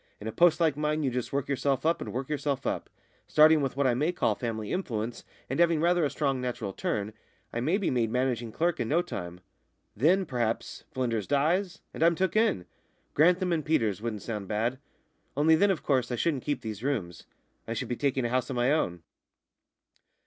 In a post like mine you just work yourself up and work yourself up. Starting with what I may call family influence, and having rather a strong natural turn, I may be made managing clerk in no time; then, perhaps, Flynders dies, and I'm took in. 'Grantham & Peters' wouldn't sound bad. Only then, of course, I shouldn't keep these rooms I should be taking a house of my own."